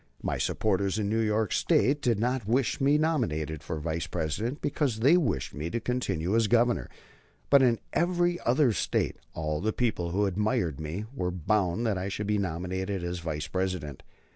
My supporters in New York State did not wish me nominated for Vice President because they wished me to continue as Governor; but in every other State all the people who admired me were bound that I should be nominated as Vice President.